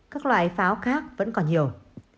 các loại pháo khác vẫn còn nhiều